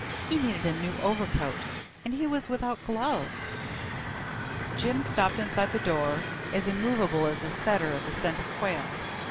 He needed a new overcoat and he was without gloves. Jim stopped inside the door, as immovable as a setter at the scent of quail.